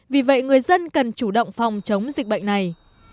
vì vậy người dân cần chủ động phòng chống dịch bệnh này